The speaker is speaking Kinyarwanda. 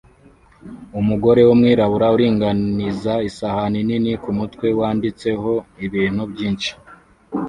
Umugore wumwirabura uringaniza isahani nini kumutwe wanditseho ibintu byinshi